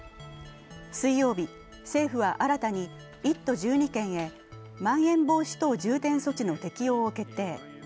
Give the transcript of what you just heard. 水曜日、政府は新たに１都１２県へまん延防止等重点措置の適用を決定。